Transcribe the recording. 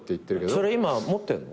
それ今持ってるの？